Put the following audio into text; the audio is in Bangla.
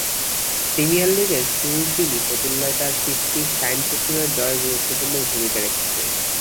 প্রিমিয়ার লিগের শুরুর দিনই ফতুল্লায় তাঁর ফিফটি শাইনপুকুরের জয়ে গুরুত্বপূর্ণ ভূমিকা রেখেছে।